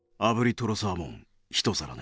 トロサーモンひと皿ね。